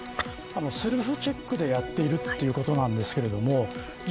セルフチェックでやっているということなんですけれどもじゃ